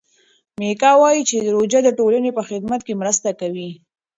میکا وايي چې روژه د ټولنې په خدمت کې مرسته کوي.